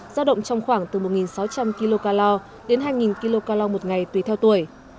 giao động trong khoảng từ một sáu trăm linh kcal đến hai kcal một ngày tùy theo tuổi